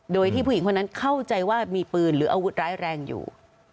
โดยที่ผู้หญิงคนนั้นเข้าใจว่ามีปืนหรืออาวุธร้ายแรงอยู่